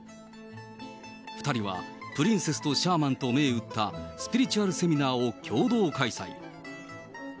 ２人はプリンセスとシャーマンと銘打ったスピリチュアルセミナーを共同開催。